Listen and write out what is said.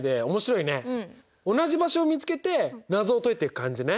同じ場所を見つけて謎を解いていく感じね。